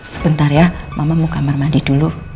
sebentar ya mama mau kamar mandi dulu